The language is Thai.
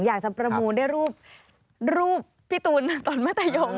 อยากจะประมูลได้รูปพี่ตูนตอนมัธยม